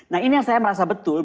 nah ini yang saya merasa betul